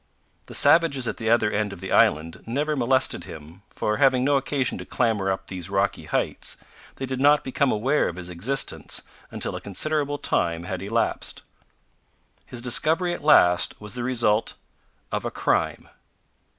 The savages at the other end of the island never molested him, for, having no occasion to clamber up these rocky heights, they did not become aware of his existence until a considerable time had elapsed. His discovery at last was the result of a crime.